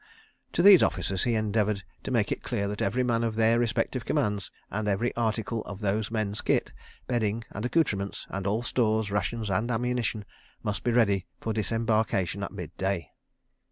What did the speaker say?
To these officers he endeavoured to make it clear that every man of their respective commands, and every article of those men's kit, bedding, and accoutrements, and all stores, rations and ammunition, must be ready for disembarkation at midday.